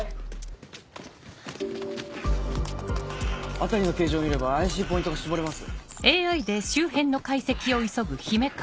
辺りの形状を見れば怪しいポイントが絞れます。